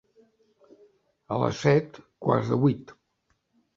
A les set, quarts de vuit.